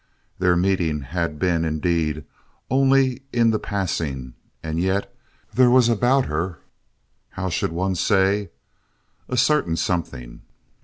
Their meeting had been, indeed, only in the passing, and yet there was about her how should one say? a certain something.